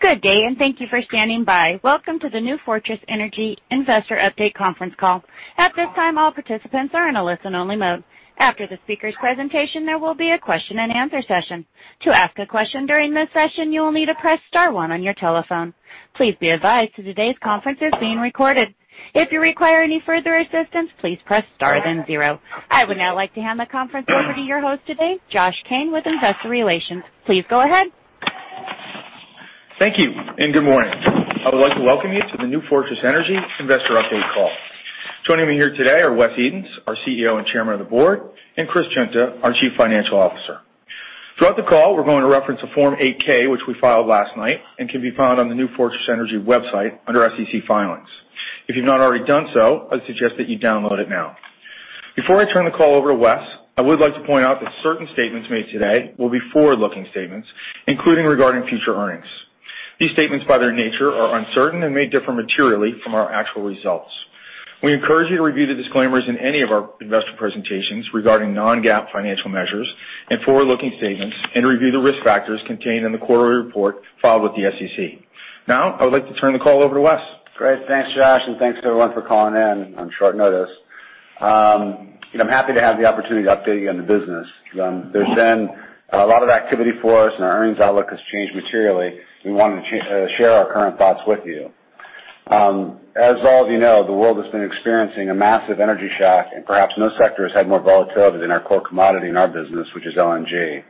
Good day, and thank you for standing by. Welcome to the New Fortress Energy investor update conference call. At this time, all participants are in a listen-only mode. After the speaker's presentation, there will be a question-and-answer session. To ask a question during this session, you will need to press star one on your telephone. Please be advised that today's conference is being recorded. If you require any further assistance, please press star then zero. I would now like to hand the conference over to your host today, Josh Kane, with Investor Relations. Please go ahead. Thank you, and good morning. I would like to welcome you to the New Fortress Energy investor update call. Joining me here today are Wes Edens, our CEO and Chairman of the Board, and Chris Guinta, our Chief Financial Officer. Throughout the call, we're going to reference a Form 8-K, which we filed last night and can be found on the New Fortress Energy website under SEC filings. If you've not already done so, I suggest that you download it now. Before I turn the call over to Wes, I would like to point out that certain statements made today will be forward-looking statements, including regarding future earnings. These statements, by their nature, are uncertain and may differ materially from our actual results. We encourage you to review the disclaimers in any of our investor presentations regarding non-GAAP financial measures and forward-looking statements, and review the risk factors contained in the quarterly report filed with the SEC. Now, I would like to turn the call over to Wes. Great. Thanks, Josh, and thanks to everyone for calling in on short notice. I'm happy to have the opportunity to update you on the business. There's been a lot of activity for us, and our earnings outlook has changed materially. We wanted to share our current thoughts with you. As all of you know, the world has been experiencing a massive energy shock, and perhaps no sector has had more volatility than our core commodity in our business, which is LNG.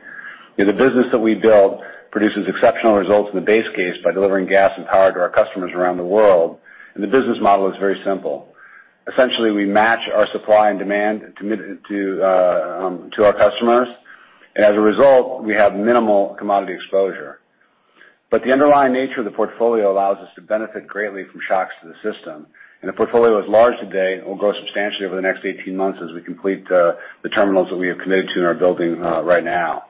The business that we build produces exceptional results in the base case by delivering gas and power to our customers around the world, and the business model is very simple. Essentially, we match our supply and demand to our customers, and as a result, we have minimal commodity exposure. But the underlying nature of the portfolio allows us to benefit greatly from shocks to the system, and the portfolio is large today and will grow substantially over the next 18 months as we complete the terminals that we have committed to in our building right now.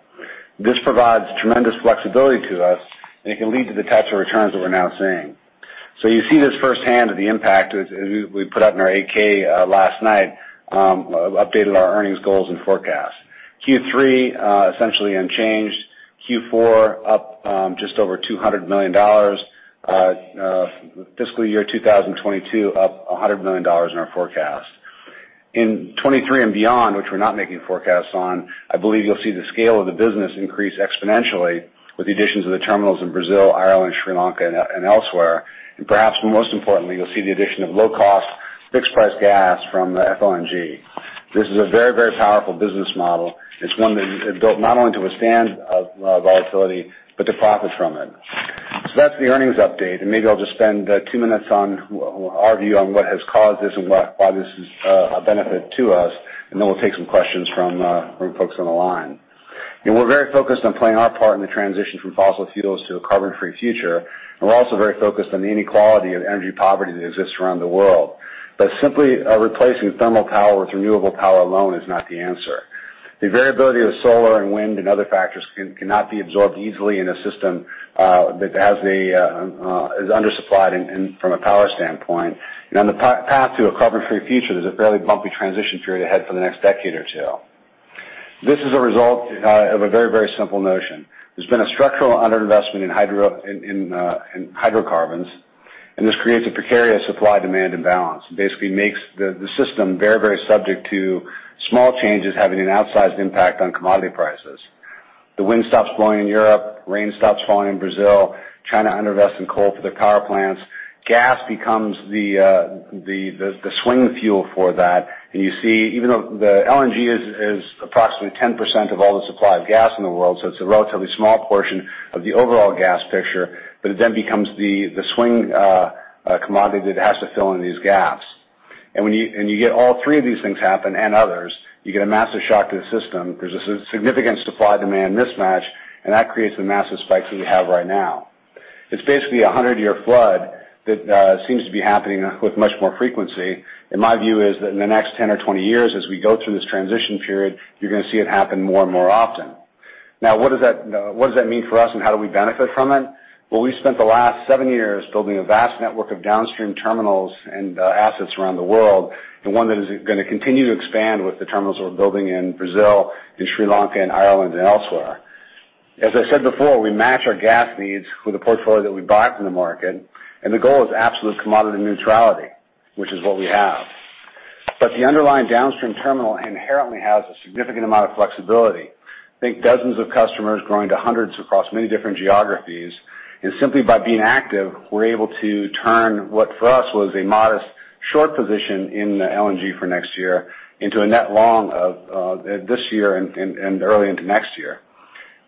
This provides tremendous flexibility to us, and it can lead to the types of returns that we're now seeing. So you see this firsthand, the impact we put out in our 8-K last night, updated our earnings goals and forecast. Q3, essentially unchanged. Q4, up just over $200 million. Fiscal year 2022, up $100 million in our forecast. In 2023 and beyond, which we're not making forecasts on, I believe you'll see the scale of the business increase exponentially with the additions of the terminals in Brazil, Ireland, Sri Lanka, and elsewhere. And perhaps most importantly, you'll see the addition of low-cost, fixed-price gas from FLNG. This is a very, very powerful business model. It's one that is built not only to withstand volatility but to profit from it. So that's the earnings update, and maybe I'll just spend two minutes on our view on what has caused this and why this is a benefit to us, and then we'll take some questions from folks on the line. We're very focused on playing our part in the transition from fossil fuels to a carbon-free future, and we're also very focused on the inequality of energy poverty that exists around the world. But simply replacing thermal power with renewable power alone is not the answer. The variability of solar and wind and other factors cannot be absorbed easily in a system that is undersupplied from a power standpoint. On the path to a carbon-free future, there's a fairly bumpy transition period ahead for the next decade or two. This is a result of a very, very simple notion. There's been a structural underinvestment in hydrocarbons, and this creates a precarious supply-demand imbalance. It basically makes the system very, very subject to small changes having an outsized impact on commodity prices. The wind stops blowing in Europe, rain stops falling in Brazil, China underinvests in coal for their power plants. Gas becomes the swing fuel for that, and you see, even though LNG is approximately 10% of all the supply of gas in the world, so it's a relatively small portion of the overall gas picture, but it then becomes the swing commodity that has to fill in these gaps. When you get all three of these things happen and others, you get a massive shock to the system. There's a significant supply-demand mismatch, and that creates the massive spikes that we have right now. It's basically a 100-year flood that seems to be happening with much more frequency. My view is that in the next 10 or 20 years, as we go through this transition period, you're going to see it happen more and more often. Now, what does that mean for us, and how do we benefit from it? We spent the last seven years building a vast network of downstream terminals and assets around the world, and one that is going to continue to expand with the terminals that we're building in Brazil, in Sri Lanka, and Ireland, and elsewhere. As I said before, we match our gas needs with the portfolio that we buy from the market, and the goal is absolute commodity neutrality, which is what we have. But the underlying downstream terminal inherently has a significant amount of flexibility. I think dozens of customers growing to hundreds across many different geographies, and simply by being active, we're able to turn what for us was a modest short position in LNG for next year into a net long this year and early into next year.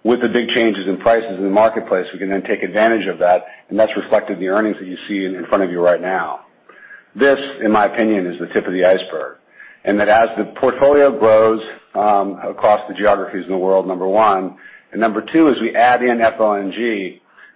With the big changes in prices in the marketplace, we can then take advantage of that, and that's reflected in the earnings that you see in front of you right now. This, in my opinion, is the tip of the iceberg, and that as the portfolio grows across the geographies in the world, number one, and number two, as we add in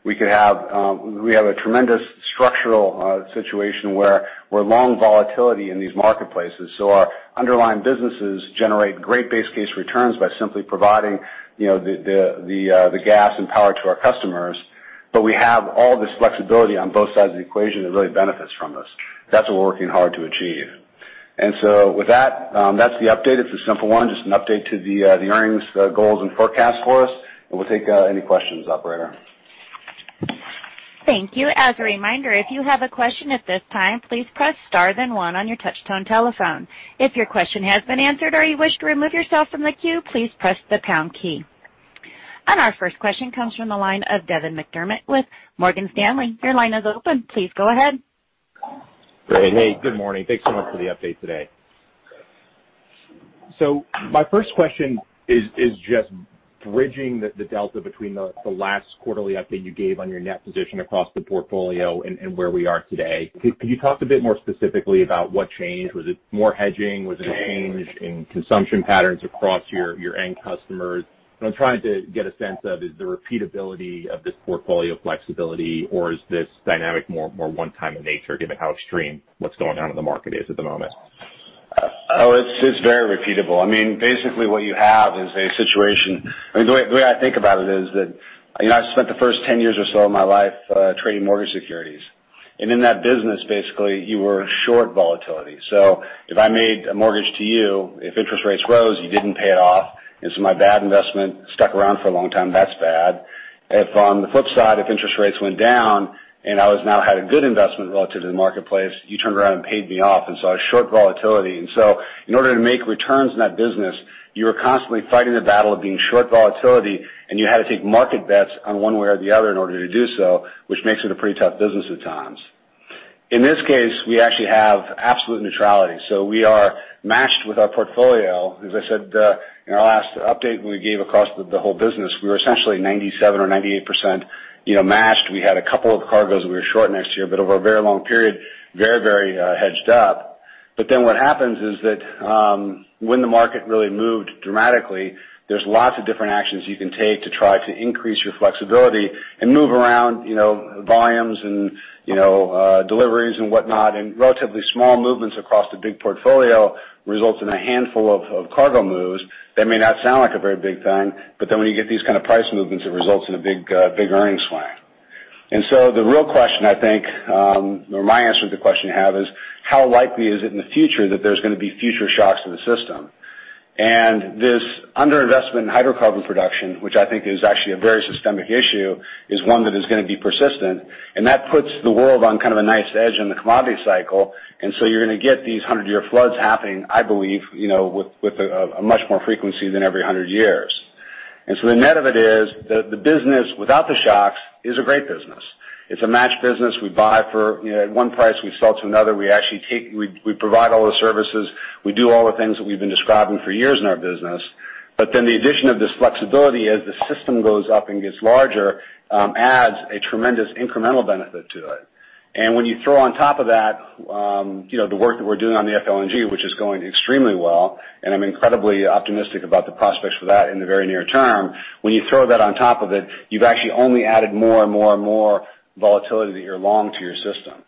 FLNG, we have a tremendous structural situation where we're long volatility in these marketplaces. So our underlying businesses generate great base case returns by simply providing the gas and power to our customers, but we have all this flexibility on both sides of the equation that really benefits from us. That's what we're working hard to achieve. And so with that, that's the update. It's a simple one, just an update to the earnings goals and forecast for us, and we'll take any questions, Operator. Thank you. As a reminder, if you have a question at this time, please press star then one on your touch-tone telephone. If your question has been answered or you wish to remove yourself from the queue, please press the pound key, and our first question comes from the line of Devin McDermott with Morgan Stanley. Your line is open. Please go ahead. Great. Hey, good morning. Thanks so much for the update today. So my first question is just bridging the delta between the last quarterly update you gave on your net position across the portfolio and where we are today. Could you talk a bit more specifically about what changed? Was it more hedging? Was it a change in consumption patterns across your end customers? And I'm trying to get a sense of, is the repeatability of this portfolio flexibility, or is this dynamic more one-time in nature, given how extreme what's going on in the market is at the moment? Oh, it's very repeatable. I mean, basically what you have is a situation I mean, the way I think about it is that I spent the first 10 years or so of my life trading mortgage securities, and in that business, basically, you were short volatility. So if I made a mortgage to you, if interest rates rose, you didn't pay it off, and so my bad investment stuck around for a long time, that's bad. If on the flip side, if interest rates went down and I now had a good investment relative to the marketplace, you turned around and paid me off, and so I was short volatility. And so in order to make returns in that business, you were constantly fighting the battle of being short volatility, and you had to take market bets on one way or the other in order to do so, which makes it a pretty tough business at times. In this case, we actually have absolute neutrality. So we are matched with our portfolio. As I said in our last update we gave across the whole business, we were essentially 97% or 98% matched. We had a couple of cargoes we were short next year, but over a very long period, very, very hedged up. But then what happens is that when the market really moved dramatically, there's lots of different actions you can take to try to increase your flexibility and move around volumes and deliveries and whatnot, and relatively small movements across the big portfolio results in a handful of cargo moves. That may not sound like a very big thing, but then when you get these kind of price movements, it results in a big earnings swing. And so the real question, I think, or my answer to the question you have is, how likely is it in the future that there's going to be future shocks to the system? And this underinvestment in hydrocarbon production, which I think is actually a very systemic issue, is one that is going to be persistent, and that puts the world on kind of a nice edge in the commodity cycle. And so you're going to get these 100-year floods happening, I believe, with a much more frequency than every 100 years. And so the net of it is that the business without the shocks is a great business. It's a matched business. We buy for one price, we sell to another. We provide all the services. We do all the things that we've been describing for years in our business. But then the addition of this flexibility as the system goes up and gets larger adds a tremendous incremental benefit to it. And when you throw on top of that the work that we're doing on the FLNG, which is going extremely well, and I'm incredibly optimistic about the prospects for that in the very near term, when you throw that on top of it, you've actually only added more and more and more volatility that you're long to your system.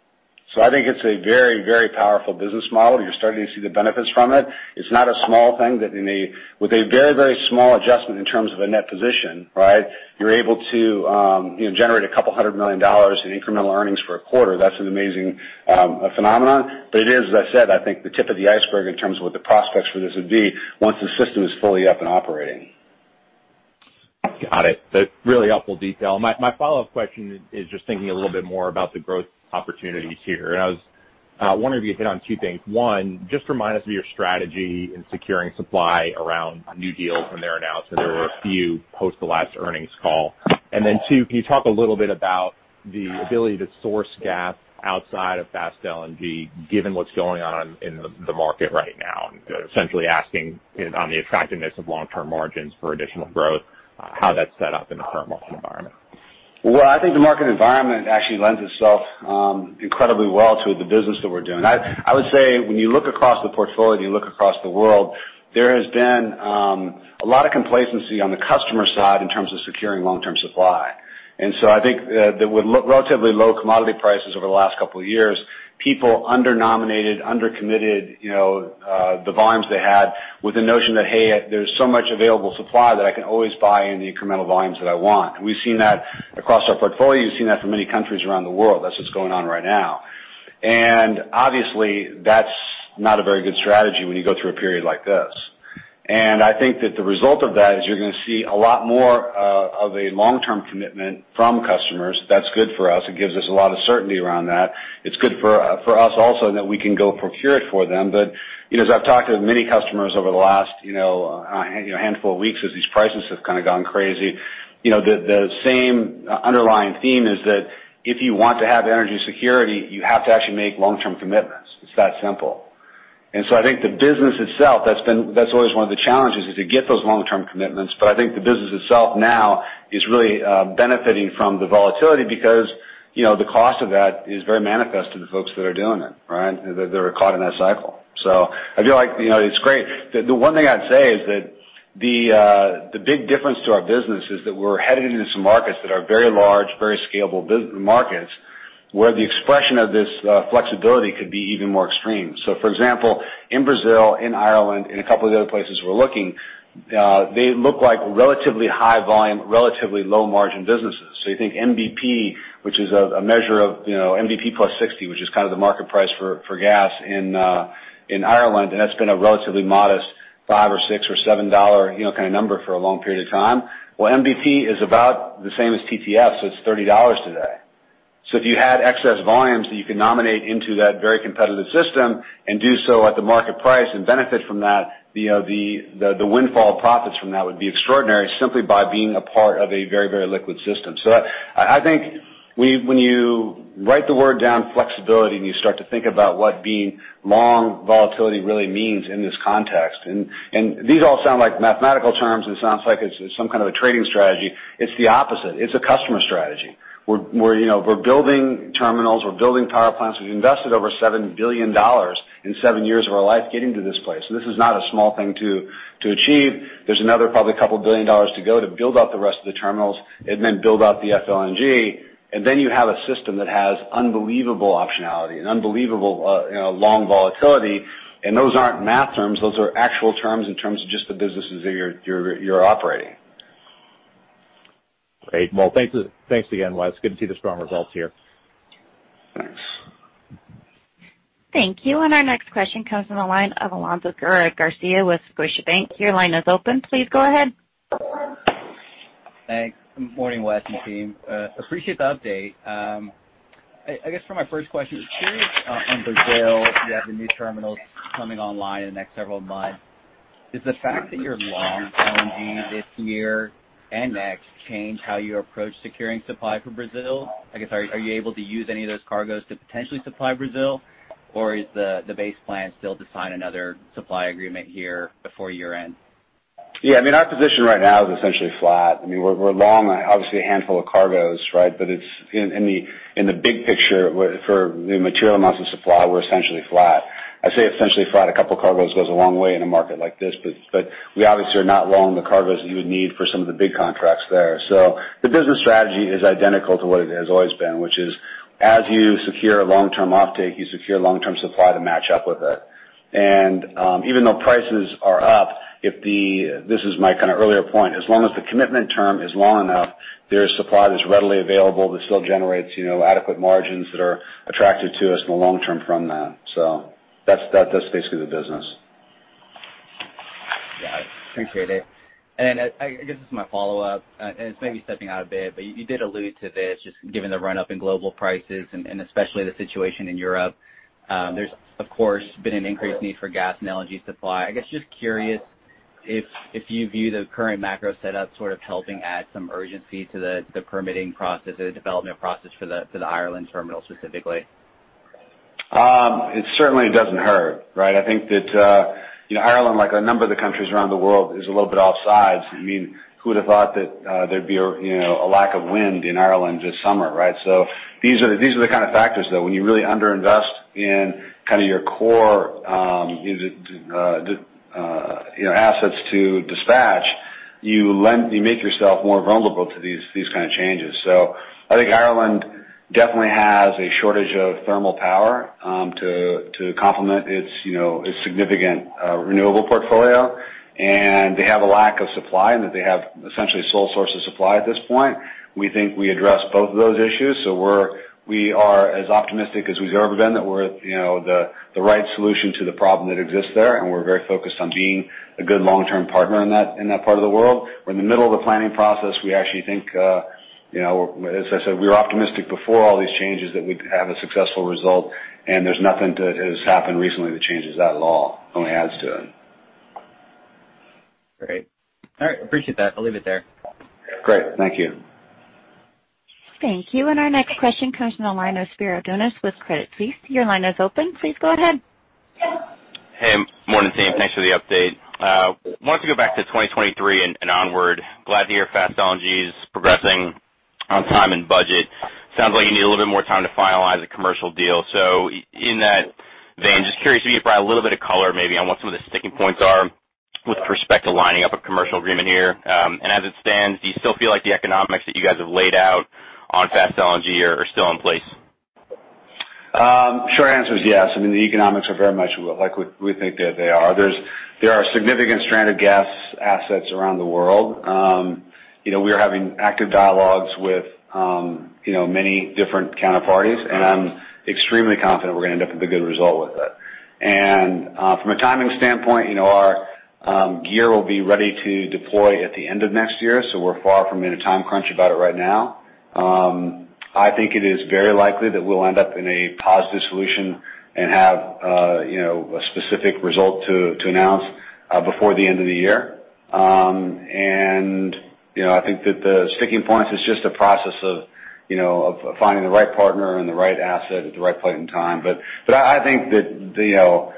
So I think it's a very, very powerful business model. You're starting to see the benefits from it. It's not a small thing that with a very, very small adjustment in terms of a net position, right, you're able to generate $200 million in incremental earnings for a quarter. That's an amazing phenomenon. But it is, as I said, I think the tip of the iceberg in terms of what the prospects for this would be once the system is fully up and operating. Got it. That's really helpful detail. My follow-up question is just thinking a little bit more about the growth opportunities here. And I was wondering if you hit on two things. One, just remind us of your strategy in securing supply around new deals when they're announced. There were a few post the last earnings call. And then two, can you talk a little bit about the ability to source gas outside of Fast LNG, given what's going on in the market right now, and essentially asking on the attractiveness of long-term margins for additional growth, how that's set up in the current market environment? I think the market environment actually lends itself incredibly well to the business that we're doing. I would say when you look across the portfolio and you look across the world, there has been a lot of complacency on the customer side in terms of securing long-term supply. And so I think that with relatively low commodity prices over the last couple of years, people under-nominated, under-committed the volumes they had with the notion that, "Hey, there's so much available supply that I can always buy in the incremental volumes that I want." And we've seen that across our portfolio. You've seen that from many countries around the world. That's what's going on right now. And obviously, that's not a very good strategy when you go through a period like this. I think that the result of that is you're going to see a lot more of a long-term commitment from customers. That's good for us. It gives us a lot of certainty around that. It's good for us also that we can go procure it for them. But as I've talked to many customers over the last handful of weeks, as these prices have kind of gone crazy, the same underlying theme is that if you want to have energy security, you have to actually make long-term commitments. It's that simple. And so I think the business itself, that's always one of the challenges, is to get those long-term commitments. But I think the business itself now is really benefiting from the volatility because the cost of that is very manifest to the folks that are doing it, right, that are caught in that cycle. So I feel like it's great. The one thing I'd say is that the big difference to our business is that we're headed into some markets that are very large, very scalable markets, where the expression of this flexibility could be even more extreme. So for example, in Brazil, in Ireland, and a couple of the other places we're looking, they look like relatively high-volume, relatively low-margin businesses. So you think NBP, which is a measure of NBP +60, which is kind of the market price for gas in Ireland, and that's been a relatively modest $5 or $6 or $7 kind of number for a long period of time. Well, NBP is about the same as TTF, so it's $30 today. If you had excess volumes that you could nominate into that very competitive system and do so at the market price and benefit from that, the windfall of profits from that would be extraordinary simply by being a part of a very, very liquid system. I think when you write the word down flexibility and you start to think about what being long volatility really means in this context, and these all sound like mathematical terms, and it sounds like it's some kind of a trading strategy, it's the opposite. It's a customer strategy. We're building terminals. We're building power plants. We've invested over $7 billion in seven years of our life getting to this place. This is not a small thing to achieve. There's another probably $2 billion to go to build out the rest of the terminals and then build out the FLNG. And then you have a system that has unbelievable optionality and unbelievable long volatility. And those aren't math terms. Those are actual terms in terms of just the businesses that you're operating. Great. Well, thanks again, Wes. Good to see the strong results here. Thanks. Thank you. And our next question comes from the line of Alonso Guerra-Garcia with Scotiabank. Your line is open. Please go ahead. Thanks. Good morning, Wes and team. Appreciate the update. I guess for my first question, I'm curious on Brazil. You have the new terminals coming online in the next several months. Does the fact that you're long LNG this year and next change how you approach securing supply for Brazil? I guess, are you able to use any of those cargoes to potentially supply Brazil, or is the base plan still to sign another supply agreement here before year-end? Yeah. I mean, our position right now is essentially flat. I mean, we're long, obviously, a handful of cargoes, right, but in the big picture for the material amounts of supply, we're essentially flat. I say essentially flat. A couple cargoes goes a long way in a market like this, but we obviously are not long the cargoes that you would need for some of the big contracts there. So the business strategy is identical to what it has always been, which is as you secure a long-term offtake, you secure long-term supply to match up with it. And even though prices are up, if the—this is my kind of earlier point—as long as the commitment term is long enough, there is supply that's readily available that still generates adequate margins that are attractive to us in the long term from that. So that's basically the business. Got it. Appreciate it. And I guess this is my follow-up, and it's maybe stepping out a bit, but you did allude to this, just given the run-up in global prices and especially the situation in Europe. There's, of course, been an increased need for gas and LNG supply. I guess just curious if you view the current macro setup sort of helping add some urgency to the permitting process or the development process for the Ireland terminal specifically. It certainly doesn't hurt, right? I think that Ireland, like a number of the countries around the world, is a little bit offsides. I mean, who would have thought that there'd be a lack of wind in Ireland this summer, right? So these are the kind of factors that when you really underinvest in kind of your core assets to dispatch, you make yourself more vulnerable to these kind of changes. So I think Ireland definitely has a shortage of thermal power to complement its significant renewable portfolio, and they have a lack of supply in that they have essentially a sole source of supply at this point. We think we address both of those issues. So we are as optimistic as we've ever been that we're the right solution to the problem that exists there, and we're very focused on being a good long-term partner in that part of the world. We're in the middle of the planning process. We actually think, as I said, we were optimistic before all these changes that we'd have a successful result, and there's nothing that has happened recently that changes that at all. It only adds to it. Great. All right. Appreciate that. I'll leave it there. Great. Thank you. Thank you. And our next question comes from the line of Spiro Dounis with Credit Suisse. Your line is open. Please go ahead. Hey. Morning, team. Thanks for the update. Wanted to go back to 2023 and onward. Glad to hear Fast LNGs progressing on time and budget. Sounds like you need a little bit more time to finalize a commercial deal. So in that vein, just curious if you could provide a little bit of color maybe on what some of the sticking points are with respect to lining up a commercial agreement here, and as it stands, do you still feel like the economics that you guys have laid out on Fast LNG are still in place? Short answer is yes. I mean, the economics are very much like we think that they are. There are significant stranded gas assets around the world. We are having active dialogues with many different counterparties, and I'm extremely confident we're going to end up with a good result with it. And from a timing standpoint, our gear will be ready to deploy at the end of next year, so we're far from in a time crunch about it right now. I think it is very likely that we'll end up in a positive solution and have a specific result to announce before the end of the year. And I think that the sticking points is just a process of finding the right partner and the right asset at the right point in time. But I think that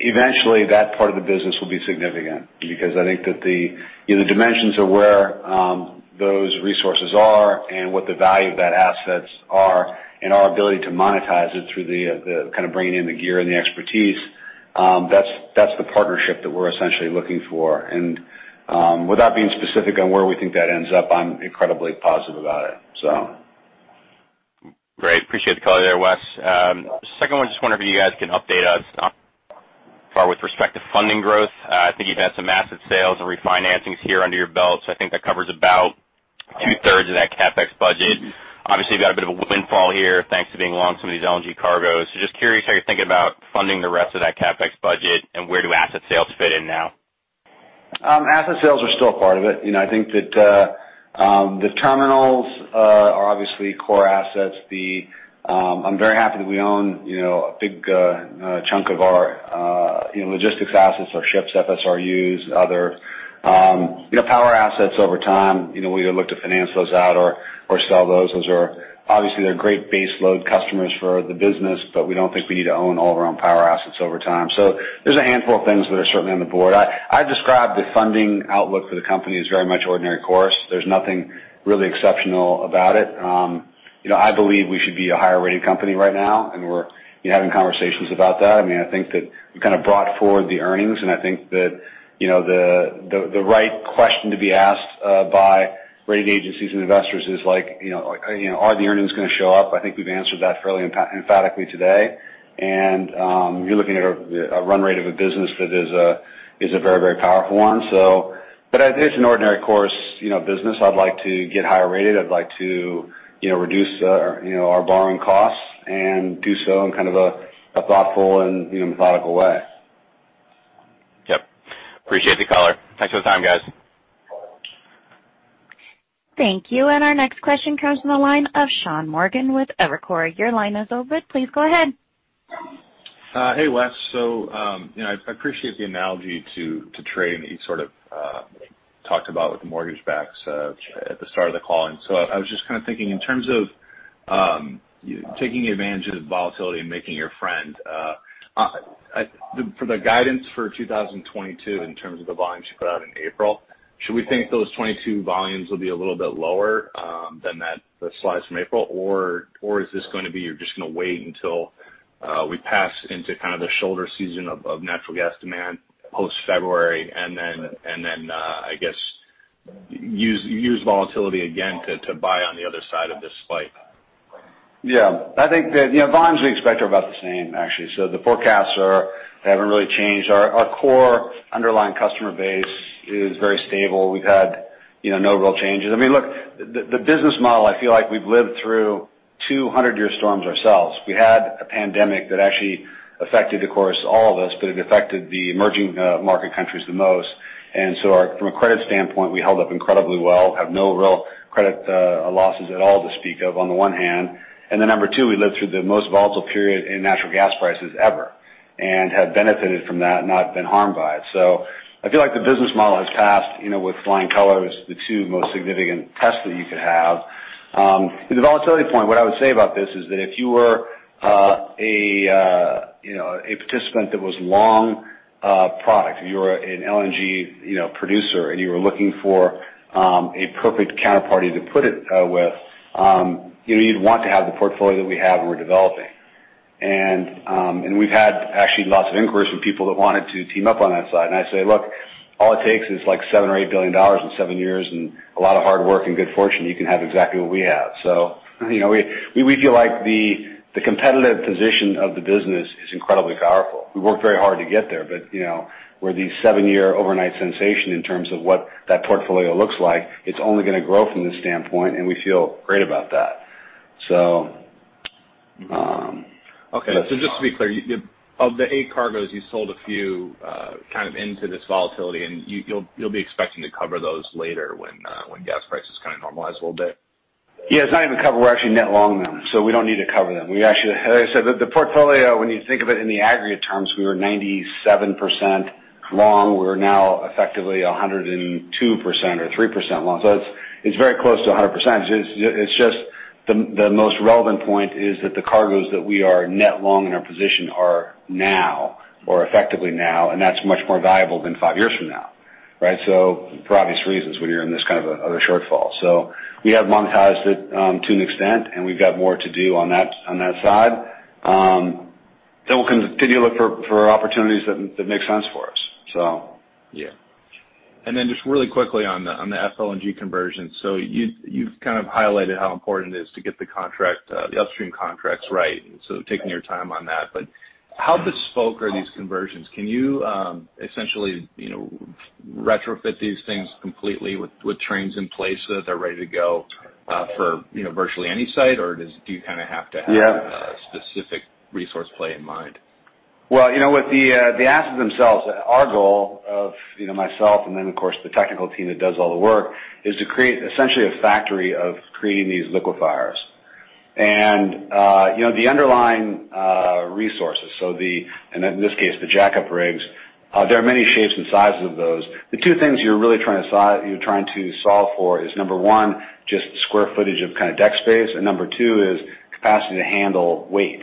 eventually that part of the business will be significant because I think that the dimensions of where those resources are and what the value of that assets are and our ability to monetize it through the kind of bringing in the gear and the expertise, that's the partnership that we're essentially looking for. And without being specific on where we think that ends up, I'm incredibly positive about it, so. Great. Appreciate the call there, Wes. Second one, just wondering if you guys can update us as far with respect to funding growth. I think you've had some asset sales and refinancings here under your belt, so I think that covers about two-thirds of that CapEx budget. Obviously, you've got a bit of a windfall here thanks to being long some of these LNG cargoes. So just curious how you're thinking about funding the rest of that CapEx budget and where do asset sales fit in now? Asset sales are still a part of it. I think that the terminals are obviously core assets. I'm very happy that we own a big chunk of our logistics assets, our ships, FSRUs, other power assets over time. We either look to finance those out or sell those. Obviously, they're great base load customers for the business, but we don't think we need to own all of our own power assets over time. So there's a handful of things that are certainly on the board. I described the funding outlook for the company as very much ordinary course. There's nothing really exceptional about it. I believe we should be a higher-rated company right now, and we're having conversations about that. I mean, I think that we kind of brought forward the earnings, and I think that the right question to be asked by rating agencies and investors is like, "Are the earnings going to show up?" I think we've answered that fairly emphatically today. And you're looking at a run rate of a business that is a very, very powerful one. But it's an ordinary course business. I'd like to get higher rated. I'd like to reduce our borrowing costs and do so in kind of a thoughtful and methodical way. Yep. Appreciate the caller. Thanks for the time, guys. Thank you, and our next question comes from the line of Sean Morgan with Evercore. Your line is open. Please go ahead. Hey, Wes. So I appreciate the analogy to trade that you sort of talked about with the mortgage backs at the start of the call. And so I was just kind of thinking in terms of taking advantage of volatility and making a trade. For the guidance for 2022 in terms of the volumes you put out in April, should we think those 22 volumes will be a little bit lower than the slides from April, or is this going to be you're just going to wait until we pass into kind of the shoulder season of natural gas demand post-February and then, I guess, use volatility again to buy on the other side of this spike? Yeah. I think that volumes we expect are about the same, actually. So the forecasts haven't really changed. Our core underlying customer base is very stable. We've had no real changes. I mean, look, the business model, I feel like we've lived through two hundred-year storms ourselves. We had a pandemic that actually affected, of course, all of us, but it affected the emerging market countries the most. And so from a credit standpoint, we held up incredibly well, have no real credit losses at all to speak of on the one hand. And then number two, we lived through the most volatile period in natural gas prices ever and have benefited from that, not been harmed by it. So I feel like the business model has passed with flying colors the two most significant tests that you could have. The volatility point, what I would say about this is that if you were a participant that was long product, you were an LNG producer, and you were looking for a perfect counterparty to put it with, you'd want to have the portfolio that we have and we're developing. We've had actually lots of inquiries from people that wanted to team up on that side. I say, "Look, all it takes is like $7 billion-$8 billion in seven years and a lot of hard work and good fortune, you can have exactly what we have." We feel like the competitive position of the business is incredibly powerful. We worked very hard to get there, but we're the seven-year overnight sensation in terms of what that portfolio looks like. It's only going to grow from this standpoint, and we feel great about that. Okay. So just to be clear, of the eight cargoes, you sold a few kind of into this volatility, and you'll be expecting to cover those later when gas prices kind of normalize a little bit. Yeah. It's not even covered. We're actually net long them, so we don't need to cover them. As I said, the portfolio, when you think of it in the aggregate terms, we were 97% long. We're now effectively 102% or 3% long. So it's very close to 100%. It's just the most relevant point is that the cargoes that we are net long in our position are now or effectively now, and that's much more viable than five years from now, right, for obvious reasons when you're in this kind of other shortfall. So we have monetized it to an extent, and we've got more to do on that side. So we'll continue to look for opportunities that make sense for us, so. Yeah. And then just really quickly on the FLNG conversions. So you've kind of highlighted how important it is to get the contract, the upstream contracts right, and so taking your time on that. But how bespoke are these conversions? Can you essentially retrofit these things completely with trains in place so that they're ready to go for virtually any site, or do you kind of have to have a specific resource play in mind? With the assets themselves, our goal of myself and then, of course, the technical team that does all the work is to create essentially a factory of creating these liquefiers. And the underlying resources, and in this case, the jack-up rigs, there are many shapes and sizes of those. The two things you're really trying to solve for is, number one, just square footage of kind of deck space, and number two is capacity to handle weight.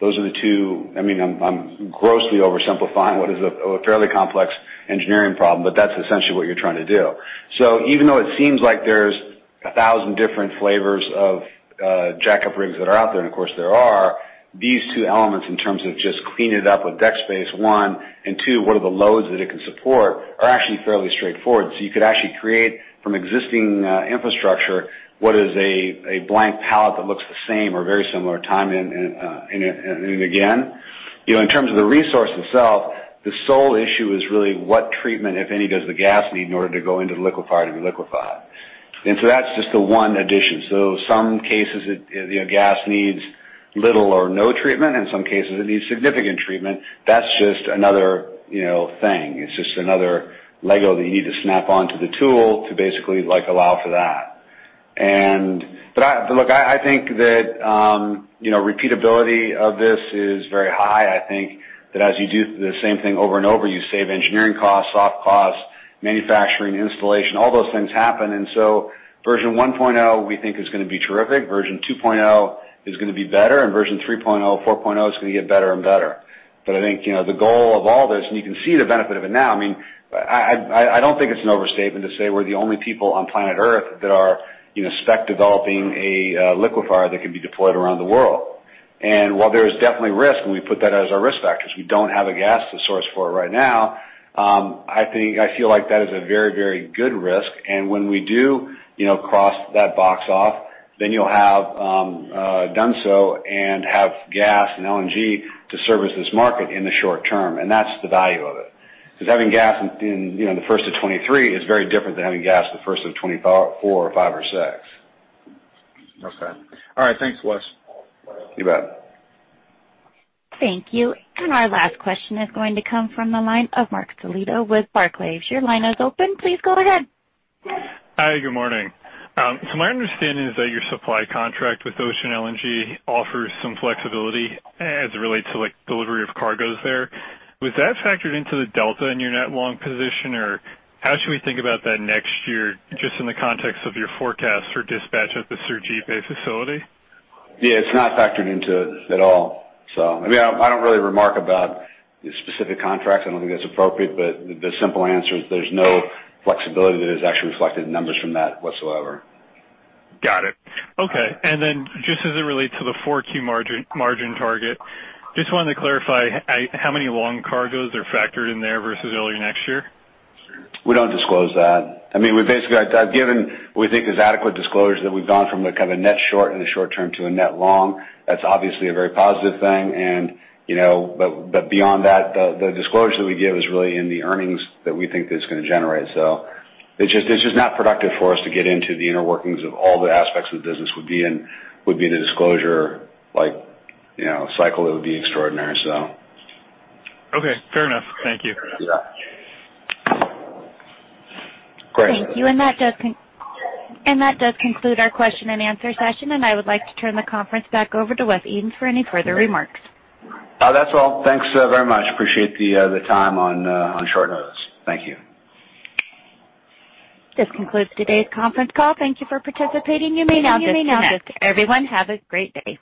Those are the two. I mean, I'm grossly oversimplifying what is a fairly complex engineering problem, but that's essentially what you're trying to do. Even though it seems like there's a thousand different flavors of jack-up rigs that are out there, and of course, there are, these two elements in terms of just cleaning it up with deck space, one, and two, what are the loads that it can support, are actually fairly straightforward. You could actually create from existing infrastructure what is a blank pallet that looks the same or very similar time and again. In terms of the resource itself, the sole issue is really what treatment, if any, does the gas need in order to go into the liquefier to be liquefied? That's just the one addition. Some cases, gas needs little or no treatment, and some cases, it needs significant treatment. That's just another thing. It's just another Lego that you need to snap onto the tool to basically allow for that. But look, I think that repeatability of this is very high. I think that as you do the same thing over and over, you save engineering costs, soft costs, manufacturing, installation, all those things happen. And so version 1.0, we think, is going to be terrific. Version 2.0 is going to be better, and version 3.0, 4.0 is going to get better and better. But I think the goal of all this, and you can see the benefit of it now, I mean, I don't think it's an overstatement to say we're the only people on planet Earth that are spec developing a liquefier that can be deployed around the world. And while there is definitely risk, and we put that as our risk factors, we don't have a gas source for it right now, I feel like that is a very, very good risk. And when we do cross that box off, then you'll have done so and have gas and LNG to service this market in the short term. And that's the value of it. Because having gas in the first of 2023 is very different than having gas in the first of 2024 or 2025 or 2026. Okay. All right. Thanks, Wes. You bet. Thank you. And our last question is going to come from the line of Marc Solecitto with Barclays. Your line is open. Please go ahead. Hi. Good morning. So my understanding is that your supply contract with Ocean LNG offers some flexibility as it relates to delivery of cargoes there. Was that factored into the delta in your net long position, or how should we think about that next year just in the context of your forecast for dispatch at the Sergipe facility? Yeah. It's not factored into it at all, so. I mean, I don't really remark about the specific contracts. I don't think that's appropriate, but the simple answer is there's no flexibility that is actually reflected in numbers from that whatsoever. Got it. Okay. And then just as it relates to the Q4 margin target, just wanted to clarify how many long cargoes are factored in there versus early next year? We don't disclose that. I mean, we basically, I've given what we think is adequate disclosure that we've gone from a kind of net short in the short term to a net long. That's obviously a very positive thing. But beyond that, the disclosure that we give is really in the earnings that we think that it's going to generate. So it's just not productive for us to get into the inner workings of all the aspects of the business would be in the disclosure cycle. It would be extraordinary, so. Okay. Fair enough. Thank you. Yeah. Great. Thank you. And that does conclude our question-and-answer session, and I would like to turn the conference back over to Wes Edens for any further remarks. That's all. Thanks very much. Appreciate the time on short notice. Thank you. This concludes today's conference call. Thank you for participating. You may now disconnect. You may now disconnect. Everyone, have a great day.